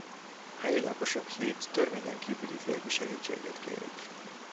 A helyi lakosok hét törvényen kívüli férfi segítségét kérik.